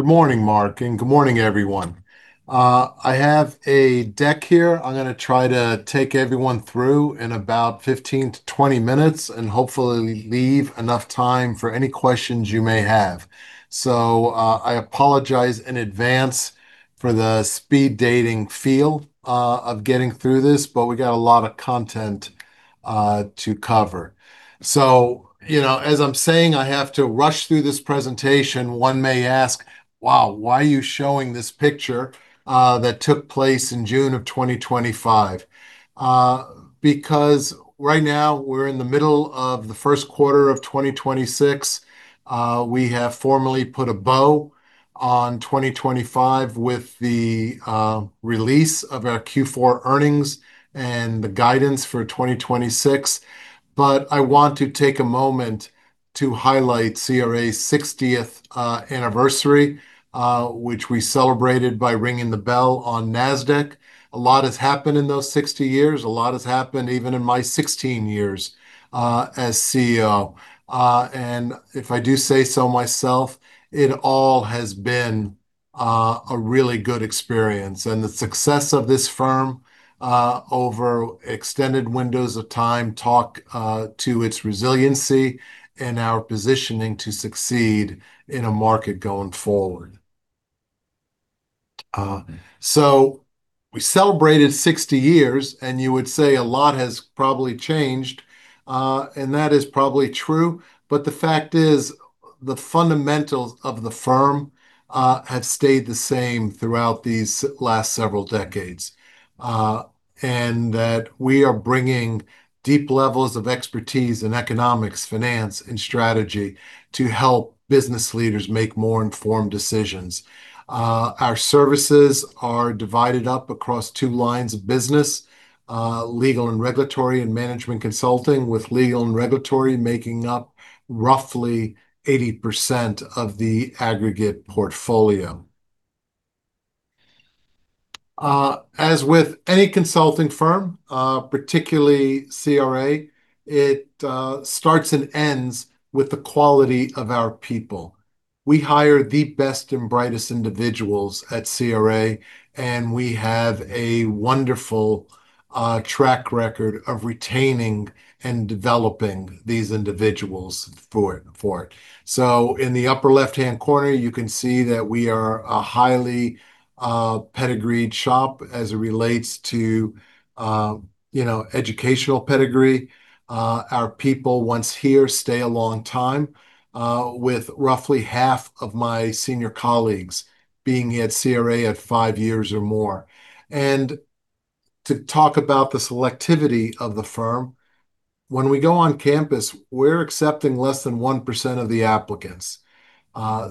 Good morning, Marc, and good morning, everyone. I have a deck here I'm gonna try to take everyone through in about 15 to 20 minutes, and hopefully leave enough time for any questions you may have. I apologize in advance for the speed-dating feel of getting through this, but we got a lot of content to cover. You know, as I'm saying I have to rush through this presentation, one may ask, "Wow, why are you showing this picture that took place in June of 2025?" Because right now we're in the middle of the first quarter of 2026, we have formally put a bow on 2025 with the release of our Q4 earnings and the guidance for 2026. I want to take a moment to highlight CRA's 60th anniversary, which we celebrated by ringing the bell on Nasdaq. A lot has happened in those 60 years. A lot has happened even in my 16 years as CEO. If I do say so myself, it all has been a really good experience. The success of this firm over extended windows of time talks to its resiliency and our positioning to succeed in a market going forward. We celebrated 60 years, and you would say a lot has probably changed, and that is probably true. The fact is, the fundamentals of the firm have stayed the same throughout these last several decades, and that we are bringing deep levels of expertise in economics, finance, and strategy to help business leaders make more informed decisions. Our services are divided up across two lines of business, Legal & Regulatory and Management Consulting, with Legal & Regulatory making up roughly 80% of the aggregate portfolio. As with any consulting firm, particularly CRA, it starts and ends with the quality of our people. We hire the best and brightest individuals at CRA, and we have a wonderful track record of retaining and developing these individuals for it. In the upper left-hand corner, you can see that we are a highly pedigreed shop as it relates to, you know, educational pedigree. Our people, once here, stay a long time, with roughly half of my senior colleagues being at CRA at five years or more. To talk about the selectivity of the firm, when we go on campus, we're accepting less than 1% of the applicants.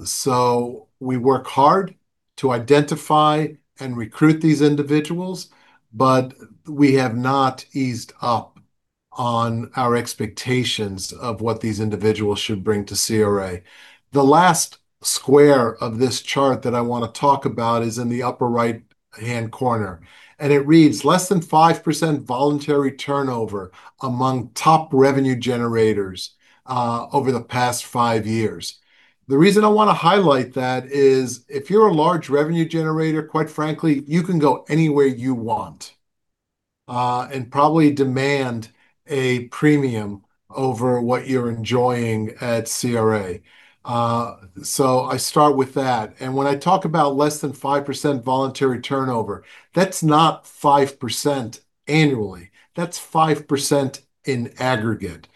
So we work hard to identify and recruit these individuals, but we have not eased up on our expectations of what these individuals should bring to CRA. The last square of this chart that I wanna talk about is in the upper right-hand corner, and it reads, "Less than 5% voluntary turnover among top revenue generators over the past five years." The reason I wanna highlight that is, if you're a large revenue generator, quite frankly, you can go anywhere you want, and probably demand a premium over what you're enjoying at CRA. So I start with that. When I talk about less than 5% voluntary turnover, that's not 5% annually, that's 5% in aggregate.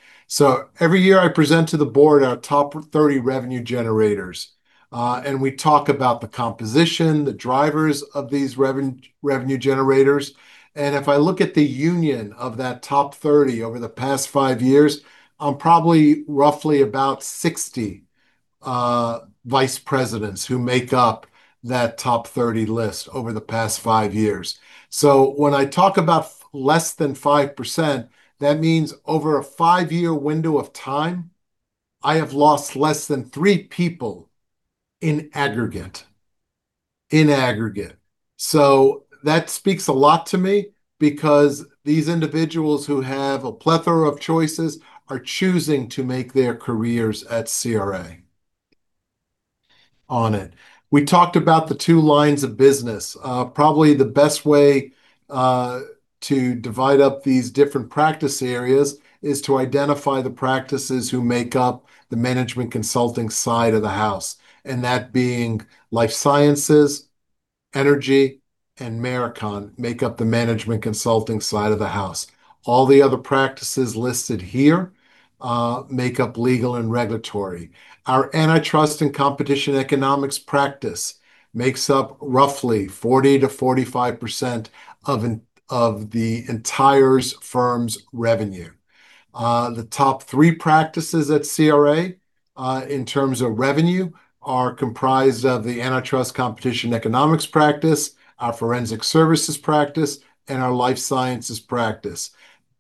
Every year I present to the board our top 30 revenue generators, and we talk about the composition, the drivers of these revenue generators. If I look at the union of that top 30 over the past five years, probably roughly about 60 vice presidents who make up that top 30 list over the past five years. When I talk about less than 5%, that means over a five-year window of time, I have lost less than three people in aggregate. That speaks a lot to me because these individuals who have a plethora of choices are choosing to make their careers at CRA. On it. We talked about the two lines of business. Probably the best way to divide up these different practice areas is to identify the practices who make up the Management Consulting side of the house, and that being Life Sciences, Energy, and Marakon make up the Management Consulting side of the house. All the other practices listed here make up Legal & Regulatory. Our Antitrust & Competition Economics practice makes up roughly 40%-45% of the entire firm's revenue. The top three practices at CRA in terms of revenue are comprised of the Antitrust & Competition Economics practice, our Forensic Services practice, and our Life Sciences practice.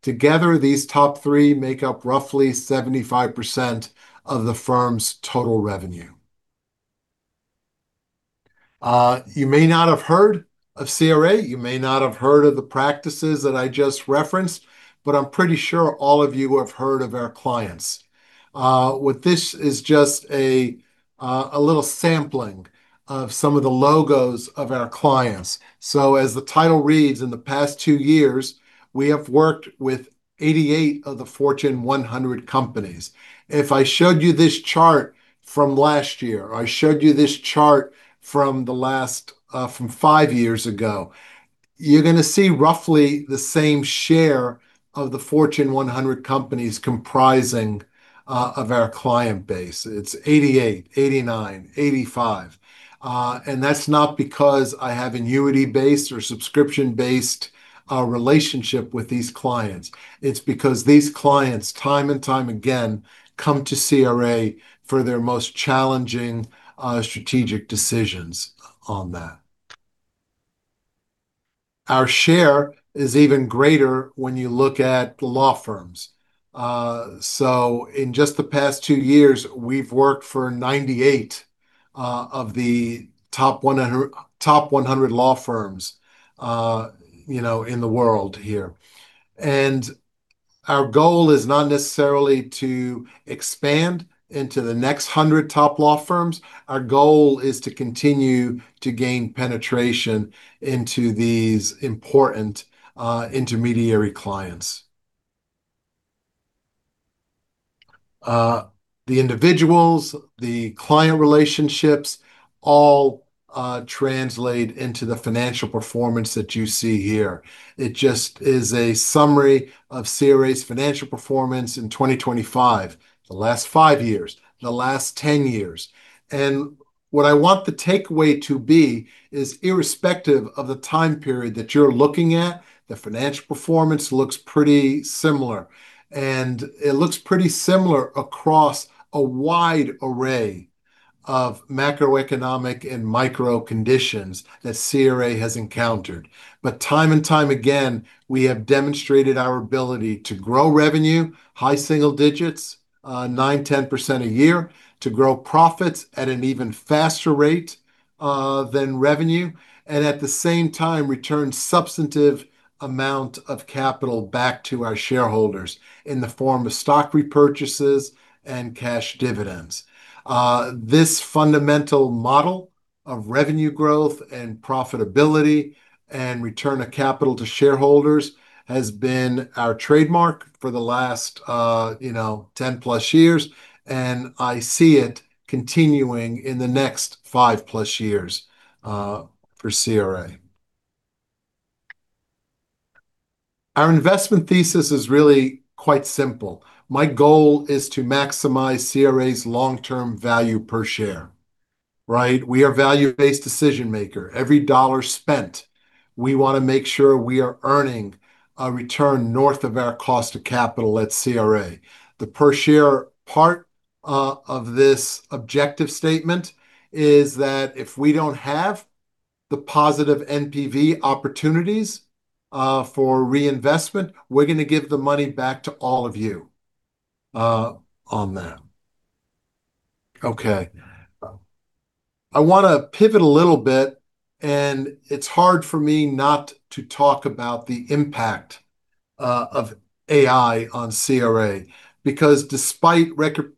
Together, these top three make up roughly 75% of the firm's total revenue. You may not have heard of CRA, you may not have heard of the practices that I just referenced, but I'm pretty sure all of you have heard of our clients. What this is just a little sampling of some of the logos of our clients. As the title reads, in the past two years, we have worked with 88 of the Fortune 100 companies. If I showed you this chart from last year, or I showed you this chart from five years ago, you're gonna see roughly the same share of the Fortune 100 companies comprising of our client base. It's 88, 89, 85. That's not because I have annuity-based or subscription-based relationship with these clients. It's because these clients, time and time again, come to CRA for their most challenging, strategic decisions on that. Our share is even greater when you look at law firms. In just the past two years, we've worked for 98 of the top 100 law firms, you know, in the world here. Our goal is not necessarily to expand into the next 100 top law firms. Our goal is to continue to gain penetration into these important, intermediary clients. The individuals, the client relationships all, translate into the financial performance that you see here. It just is a summary of CRA's financial performance in 2025, the last five years, the last 10 years. What I want the takeaway to be is irrespective of the time period that you're looking at, the financial performance looks pretty similar. It looks pretty similar across a wide array of macroeconomic and micro conditions that CRA has encountered. Time and time again, we have demonstrated our ability to grow revenue, high single digits, 9%, 10% a year, to grow profits at an even faster rate than revenue, and at the same time, return substantial amount of capital back to our shareholders in the form of stock repurchases and cash dividends. This fundamental model of revenue growth and profitability and return of capital to shareholders has been our trademark for the last, you know, 10+ years, and I see it continuing in the next 5+ years, for CRA. Our investment thesis is really quite simple. My goal is to maximize CRA's long-term value per share, right? We are value-based decision maker. Every dollar spent, we wanna make sure we are earning a return north of our cost of capital at CRA. The per share part of this objective statement is that if we don't have the positive NPV opportunities for reinvestment, we're gonna give the money back to all of you on that. Okay. I wanna pivot a little bit, and it's hard for me not to talk about the impact of AI on CRA, because despite record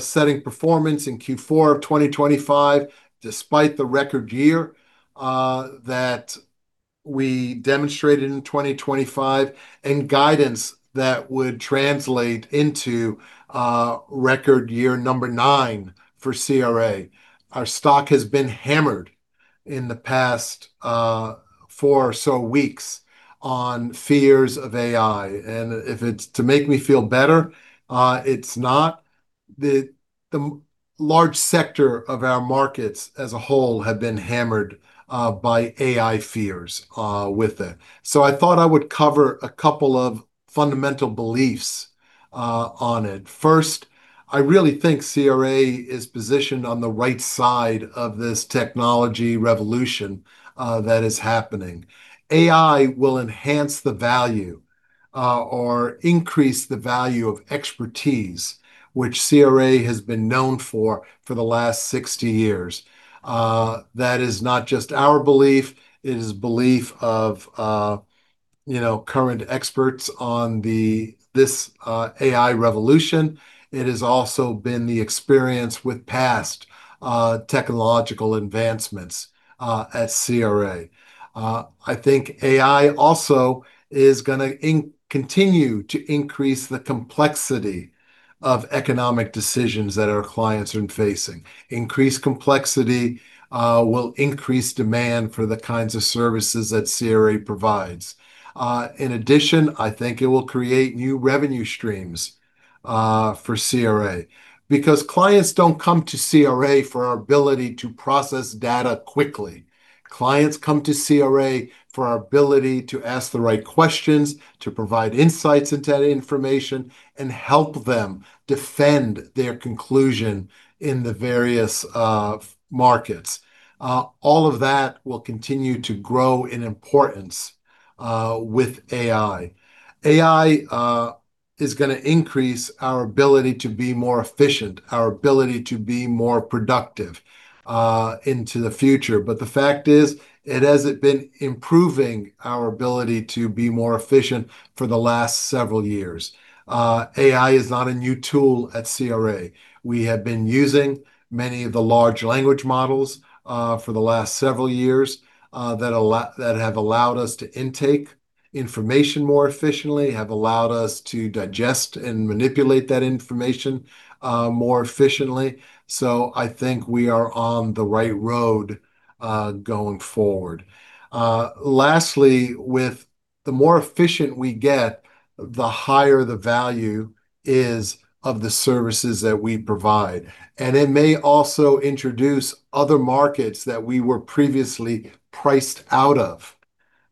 setting performance in Q4 of 2025, despite the record year that we demonstrated in 2025, and guidance that would translate into record year number nine for CRA, our stock has been hammered in the past four or so weeks on fears of AI. If it's to make me feel better, it's not. The large sector of our markets as a whole have been hammered by AI fears with it. I thought I would cover a couple of fundamental beliefs on it. First, I really think CRA is positioned on the right side of this technology revolution that is happening. AI will enhance the value or increase the value of expertise, which CRA has been known for for the last 60 years. That is not just our belief, it is belief of you know current experts on this AI revolution. It has also been the experience with past technological advancements at CRA. I think AI also is gonna continue to increase the complexity of economic decisions that our clients are facing. Increased complexity will increase demand for the kinds of services that CRA provides. In addition, I think it will create new revenue streams for CRA because clients don't come to CRA for our ability to process data quickly. Clients come to CRA for our ability to ask the right questions, to provide insights into that information, and help them defend their conclusion in the various markets. All of that will continue to grow in importance with AI. AI is gonna increase our ability to be more efficient, our ability to be more productive into the future. The fact is, it hasn't been improving our ability to be more efficient for the last several years. AI is not a new tool at CRA. We have been using many of the large language models for the last several years that have allowed us to intake information more efficiently, have allowed us to digest and manipulate that information more efficiently. I think we are on the right road going forward. Lastly, the more efficient we get, the higher the value is of the services that we provide. It may also introduce other markets that we were previously priced out of.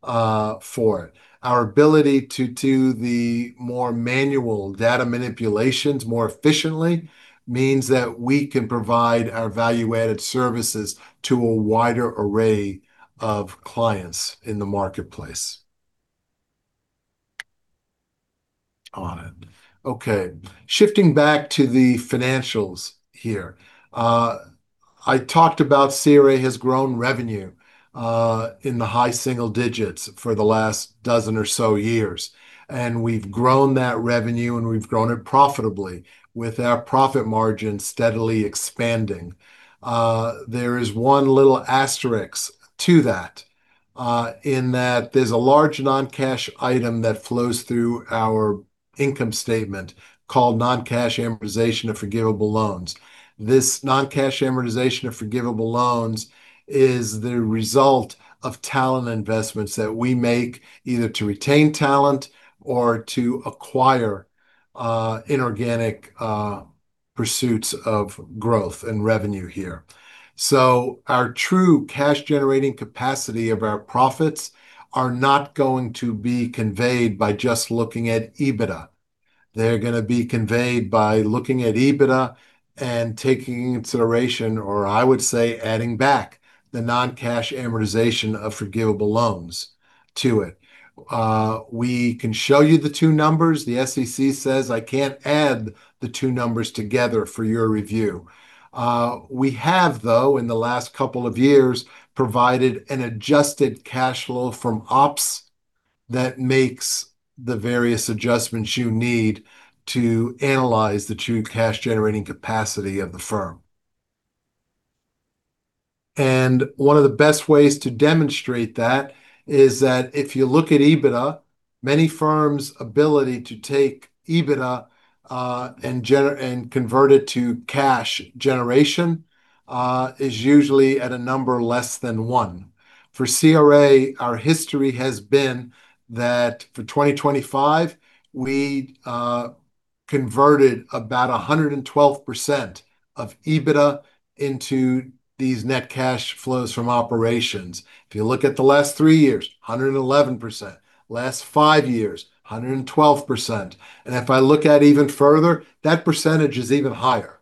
Our ability to do the more manual data manipulations more efficiently means that we can provide our value-added services to a wider array of clients in the marketplace. On it. Okay. Shifting back to the financials here. I talked about CRA has grown revenue in the high single digits for the last dozen or so years, and we've grown that revenue, and we've grown it profitably, with our profit margin steadily expanding. There is one little asterisk to that, in that there's a large non-cash item that flows through our income statement called non-cash amortization of forgivable loans. This non-cash amortization of forgivable loans is the result of talent investments that we make either to retain talent or to acquire inorganic pursuits of growth and revenue here. Our true cash-generating capacity of our profits are not going to be conveyed by just looking at EBITDA. They're gonna be conveyed by looking at EBITDA and taking into consideration, or I would say, adding back the non-cash amortization of forgivable loans to it. We can show you the two numbers. The SEC says I can't add the two numbers together for your review. We have, though, in the last couple of years, provided an adjusted cash flow from ops that makes the various adjustments you need to analyze the true cash-generating capacity of the firm. One of the best ways to demonstrate that is that if you look at EBITDA, many firms' ability to take EBITDA, and convert it to cash generation, is usually at a number less than one. For CRA, our history has been that for 2025, we converted about 112% of EBITDA into these net cash flows from operations. If you look at the last three years, 111%. Last five years, 112%. If I look at even further, that percentage is even higher.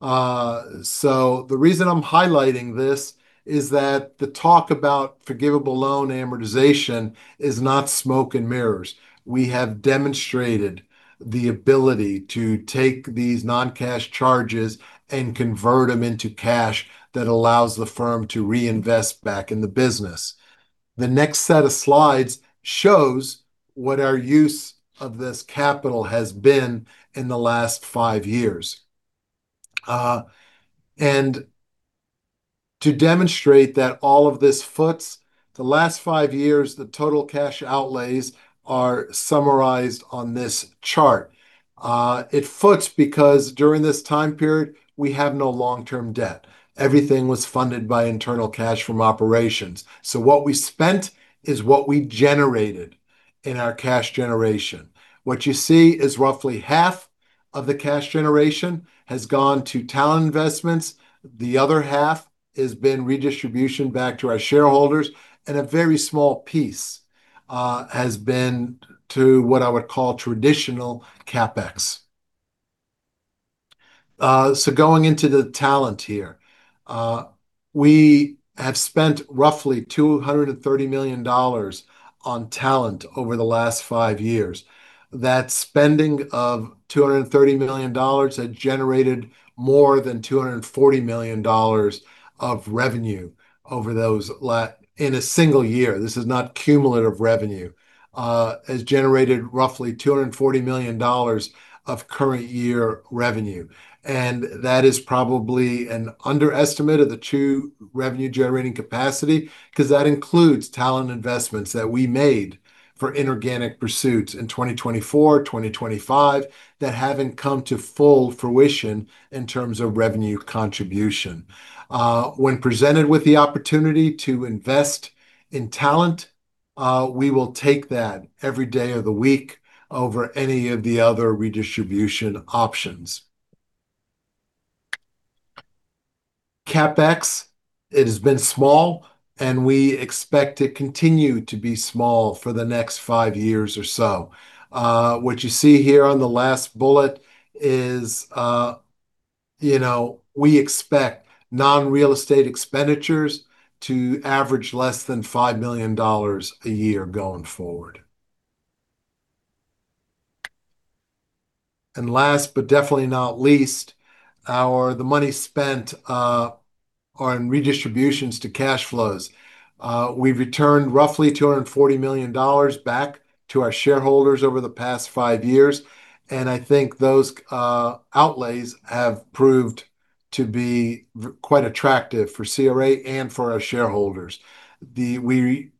The reason I'm highlighting this is that the talk about forgivable loan amortization is not smoke and mirrors. We have demonstrated the ability to take these non-cash charges and convert them into cash that allows the firm to reinvest back in the business. The next set of slides shows what our use of this capital has been in the last five years. To demonstrate that all of this foots, the last five years, the total cash outlays are summarized on this chart. It foots because during this time period, we have no long-term debt. Everything was funded by internal cash from operations. What we spent is what we generated in our cash generation. What you see is roughly half of the cash generation has gone to talent investments, the other half has been redistribution back to our shareholders, and a very small piece has been to what I would call traditional CapEx. So going into the talent here. We have spent roughly $230 million on talent over the last five years. That spending of $230 million had generated more than $240 million of revenue in a single year. This is not cumulative revenue. It has generated roughly $240 million of current year revenue. That is probably an underestimate of the true revenue-generating capacity, 'cause that includes talent investments that we made for inorganic pursuits in 2024, 2025, that haven't come to full fruition in terms of revenue contribution. When presented with the opportunity to invest in talent, we will take that every day of the week over any of the other redistribution options. CapEx, it has been small, and we expect it continue to be small for the next five years or so. What you see here on the last bullet is, you know, we expect non-real estate expenditures to average less than $5 million a year going forward. Last, but definitely not least, the money spent on redistributions to cash flows. We've returned roughly $240 million back to our shareholders over the past five years, and I think those outlays have proved to be quite attractive for CRA and for our shareholders. We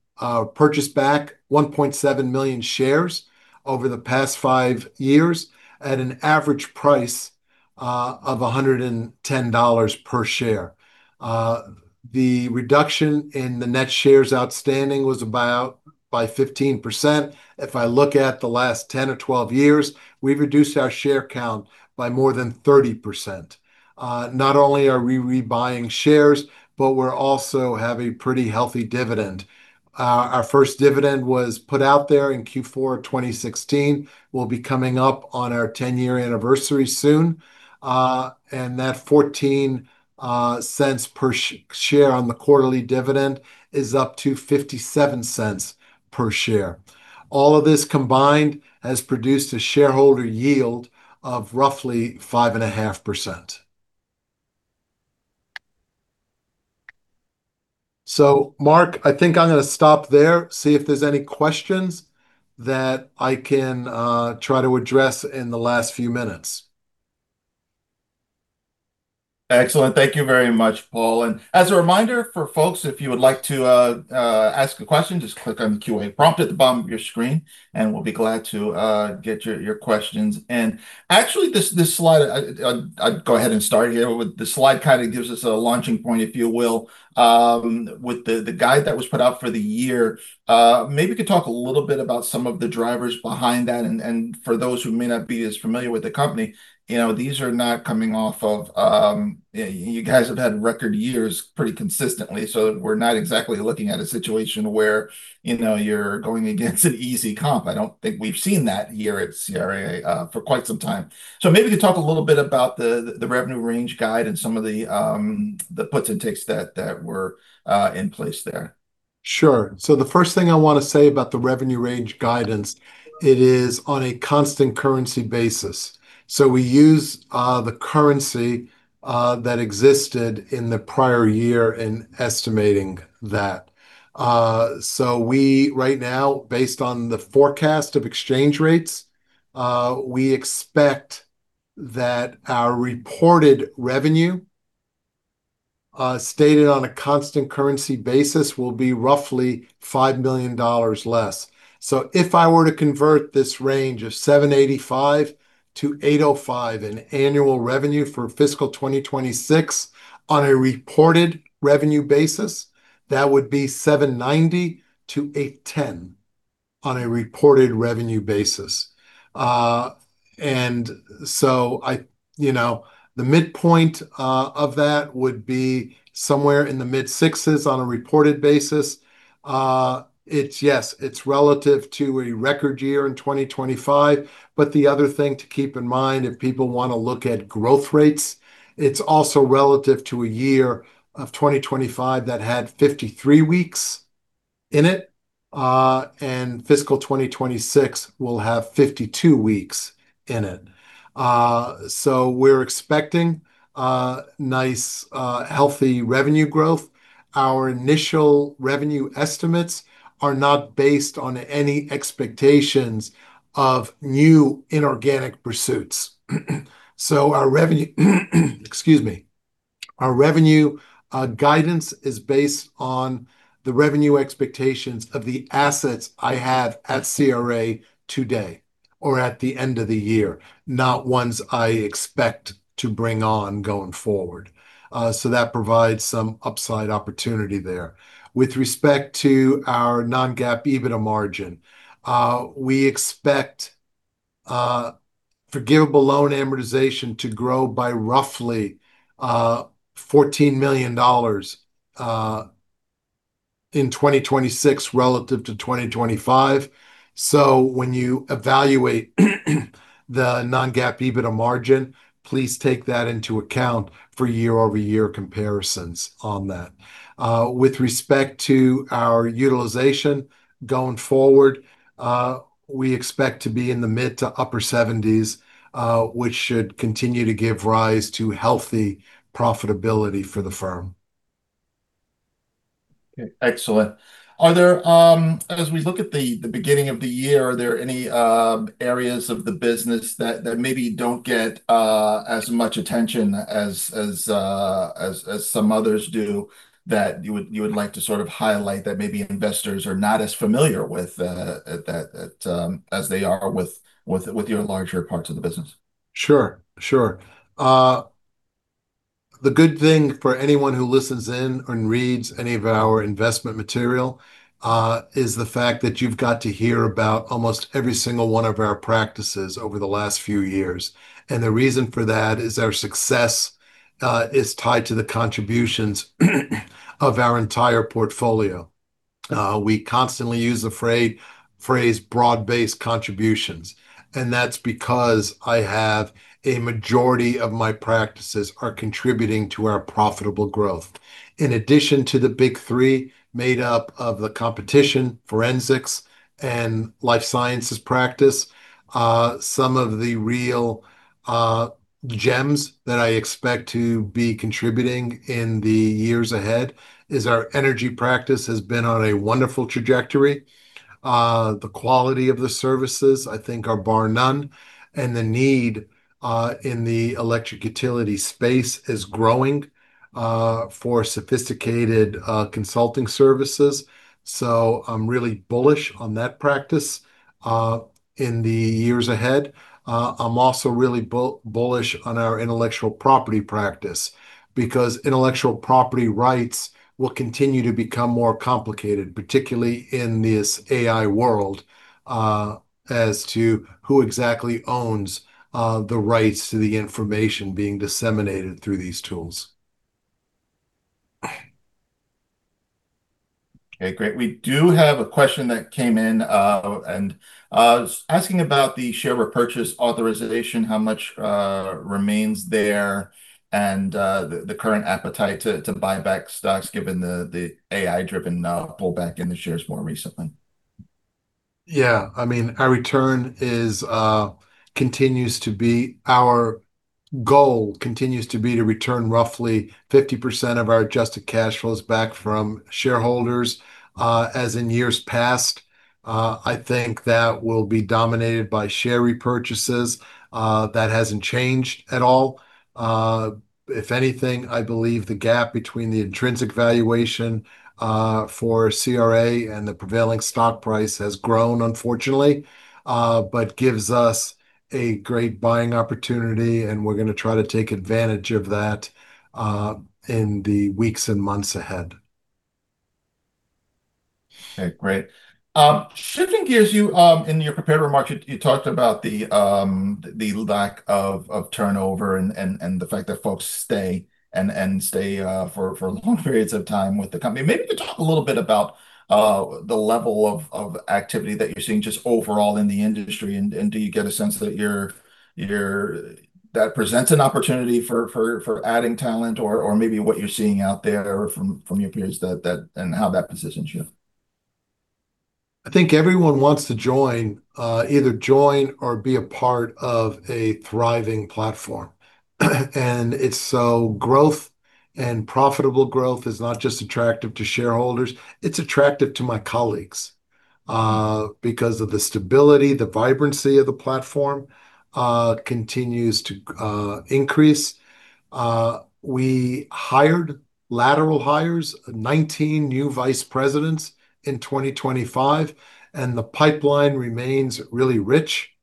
purchased back 1.7 million shares over the past five years at an average price of $110 per share. The reduction in the net shares outstanding was about by 15%. If I look at the last 10 or 12 years, we've reduced our share count by more than 30%. Not only are we rebuying shares, but we're also have a pretty healthy dividend. Our first dividend was put out there in Q4 of 2016. We'll be coming up on our 10-year anniversary soon. That $0.14 per share on the quarterly dividend is up to $0.57 per share. All of this combined has produced a shareholder yield of roughly 5.5%. Marc, I think I'm gonna stop there, see if there's any questions that I can try to address in the last few minutes. Excellent. Thank you very much, Paul. As a reminder for folks, if you would like to ask a question, just click on the Q&A prompt at the bottom of your screen, and we'll be glad to get your questions. Actually, this slide, I'd go ahead and start here with the slide, kinda gives us a launching point, if you will, with the guide that was put out for the year. Maybe you could talk a little bit about some of the drivers behind that. For those who may not be as familiar with the company, you know, these are not coming off of. Yeah, you guys have had record years pretty consistently, so we're not exactly looking at a situation where, you know, you're going against an easy comp. I don't think we've seen that year at CRA for quite some time. Maybe you could talk a little bit about the revenue range guide and some of the puts and takes that were in place there. Sure. The first thing I wanna say about the revenue range guidance, it is on a constant currency basis. We use the currency that existed in the prior year in estimating that. We, right now, based on the forecast of exchange rates, we expect that our reported revenue stated on a constant currency basis will be roughly $5 million less. If I were to convert this range of $785 million-$805 million in annual revenue for fiscal 2026 on a reported revenue basis, that would be $790 million-$810 million on a reported revenue basis. You know, the midpoint of that would be somewhere in the mid-sixes on a reported basis. Yes, it's relative to a record year in 2025. The other thing to keep in mind, if people wanna look at growth rates, it's also relative to a year of 2025 that had 53 weeks in it, and fiscal 2026 will have 52 weeks in it. So we're expecting a nice, healthy revenue growth. Our initial revenue estimates are not based on any expectations of new inorganic pursuits. So our revenue guidance is based on the revenue expectations of the assets I have at CRA today or at the end of the year, not ones I expect to bring on going forward. So that provides some upside opportunity there. With respect to our non-GAAP EBITDA margin, we expect forgivable loan amortization to grow by roughly $14 million in 2026 relative to 2025. When you evaluate the non-GAAP EBITDA margin, please take that into account for year-over-year comparisons on that. With respect to our utilization going forward, we expect to be in the mid- to upper 70s%, which should continue to give rise to healthy profitability for the firm. Okay. Excellent. As we look at the beginning of the year, are there any areas of the business that maybe don't get as much attention as some others do that you would like to sort of highlight that maybe investors are not as familiar with as they are with your larger parts of the business? Sure. The good thing for anyone who listens in and reads any of our investment material is the fact that you've got to hear about almost every single one of our practices over the last few years. The reason for that is our success is tied to the contributions of our entire portfolio. We constantly use the phrase, broad-based contributions, and that's because I have a majority of my practices are contributing to our profitable growth. In addition to the big three made up of the Competition, Forensics, and Life Sciences practice, some of the real gems that I expect to be contributing in the years ahead is our Energy practice has been on a wonderful trajectory. The quality of the services, I think, are bar none, and the need in the electric utility space is growing for sophisticated consulting services, so I'm really bullish on that practice in the years ahead. I'm also really bullish on our Intellectual Property practice because intellectual property rights will continue to become more complicated, particularly in this AI world, as to who exactly owns the rights to the information being disseminated through these tools. Okay, great. We do have a question that came in and asking about the share repurchase authorization, how much remains there and the current appetite to buy back stocks given the AI-driven pullback in the shares more recently. Yeah. I mean, our goal continues to be to return roughly 50% of our adjusted cash flows back to shareholders, as in years past. I think that will be dominated by share repurchases. That hasn't changed at all. If anything, I believe the gap between the intrinsic valuation for CRA and the prevailing stock price has grown, unfortunately, but gives us a great buying opportunity, and we're gonna try to take advantage of that in the weeks and months ahead. Okay, great. Shifting gears, in your prepared remarks, you talked about the lack of turnover and the fact that folks stay and stay for long periods of time with the company. Maybe talk a little bit about the level of activity that you're seeing just overall in the industry. Do you get a sense that presents an opportunity for adding talent or maybe what you're seeing out there from your peers and how that positions you. I think everyone wants to either join or be a part of a thriving platform. It's so growth and profitable growth is not just attractive to shareholders, it's attractive to my colleagues because of the stability. The vibrancy of the platform continues to increase. We hired lateral hires, 19 new vice presidents in 2025, and the pipeline remains really rich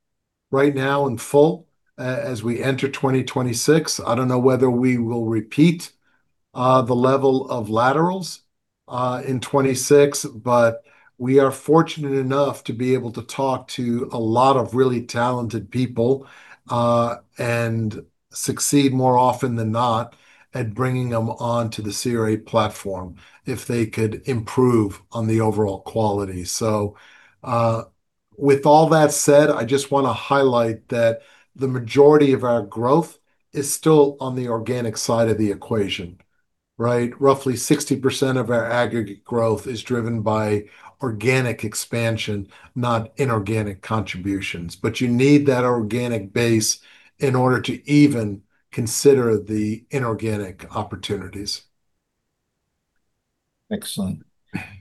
right now and full as we enter 2026. I don't know whether we will repeat the level of laterals in 2026, but we are fortunate enough to be able to talk to a lot of really talented people and succeed more often than not at bringing them onto the CRA platform, which could improve on the overall quality. With all that said, I just wanna highlight that the majority of our growth is still on the organic side of the equation, right? Roughly 60% of our aggregate growth is driven by organic expansion, not inorganic contributions. You need that organic base in order to even consider the inorganic opportunities. Excellent.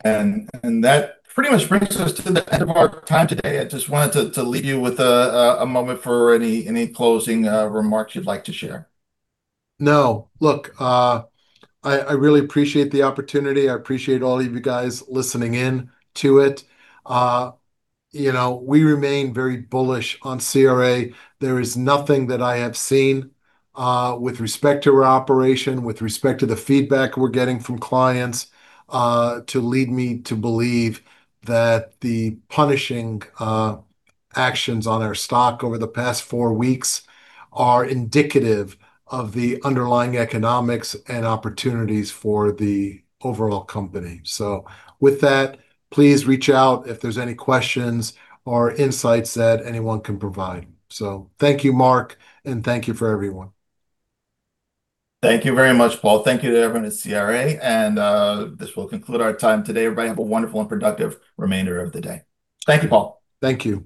That pretty much brings us to the end of our time today. I just wanted to leave you with a moment for any closing remarks you'd like to share. No. Look, I really appreciate the opportunity. I appreciate all of you guys listening in to it. You know, we remain very bullish on CRA. There is nothing that I have seen with respect to our operation, with respect to the feedback we're getting from clients, to lead me to believe that the punishing actions on our stock over the past four weeks are indicative of the underlying economics and opportunities for the overall company. With that, please reach out if there's any questions or insights that anyone can provide. Thank you, Marc, and thank you to everyone. Thank you very much, Paul. Thank you to everyone at CRA, and this will conclude our time today. Everybody have a wonderful and productive remainder of the day. Thank you, Paul. Thank you.